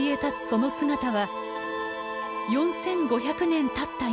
その姿は４，５００年たった